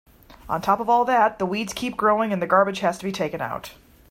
On top of all that, the weeds keep growing and the garbage has to be taken out.